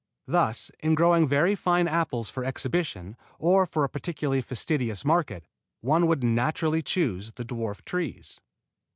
Thus in growing very fine apples for exhibition or for a particularly fastidious market, one would naturally choose the dwarf trees.